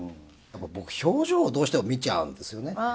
僕、表情をどうしても見ちゃうんですよね。